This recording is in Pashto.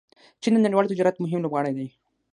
چین د نړیوال تجارت مهم لوبغاړی دی.